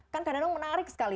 kan kadang kadang menarik sekali